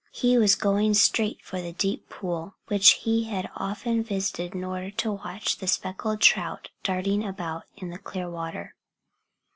He was going straight for the deep pool, which he had often visited in order to watch the speckled trout darting about in the clear water.